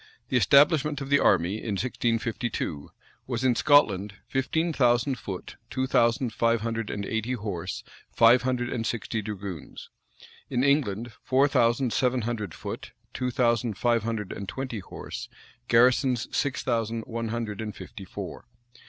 [] The establishment of the army, in 1652, was, in Scotland, fifteen thousand foot, two thousand five hundred and eighty horse, five hundred and sixty dragoons; in England, four thousand seven hundred foot, two thousand five hundred and twenty horse, garrisons six thousand one hundred and fifty four.